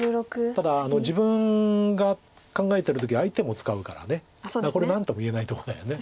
ただ自分が考えてる時は相手も使うからこれ何とも言えないとこだよね。